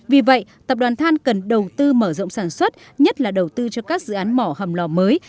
vì vậy tập đoàn than cần đầu tư mở rộng sản xuất nhất là đầu tư cho các dự án mỏ hầm lò mới